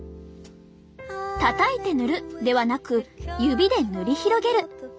「たたいて塗る」ではなく「指で塗り広げる」。